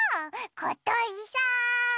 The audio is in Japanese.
ことりさん。